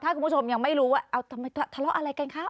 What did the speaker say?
ถ้าคุณผู้ชมยังไม่รู้ว่าเอาทำไมทะเลาะอะไรกันคะ